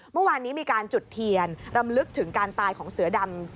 เมื่อวานนี้มีการจุดเทียนรำลึกถึงการตายของเสือดำ